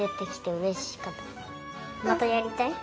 うんまたやりたい。